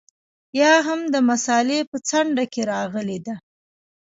یا هم د مسألې په څنډه کې راغلې ده.